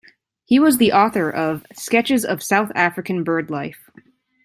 He was the author of "Sketches of South African Bird-Life".